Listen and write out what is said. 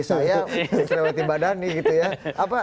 saya cerewetnya badani gitu ya